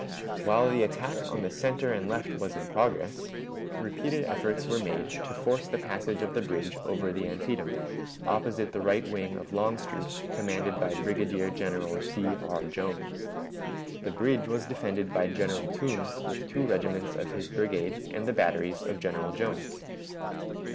While the attack on the center and left was in progress, repeated efforts were made to force the passage of the bridge over the Antietam, opposite the right wing of Longstreet, commanded by Brigadier General D. R. Jones. The bridge was defended by General Toombs with two regiments of his brigade and the batteries of General Jones.